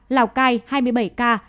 lào cai hai mươi bảy ca